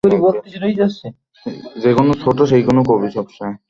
এ সংবাদে তাদের মধ্যে বিনা মেঘে বজ্রপাতের সৃষ্টি হয়।